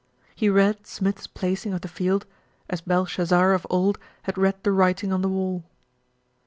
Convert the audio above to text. He read Smith's placing of the field as Belshazzar of old had read the writing on the wall.